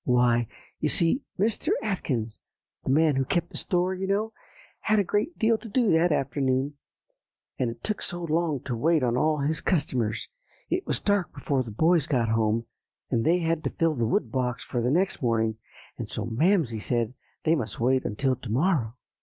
"Why, you see, Mr. Atkins, the man who kept the store, you know, had a great deal to do that afternoon; and it took so long to wait on all his customers that it was dark before the boys got home, and they had to fill the wood box for the next morning, and so Mamsie said they must wait until to morrow."